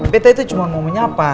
betta itu cuma mau menyapa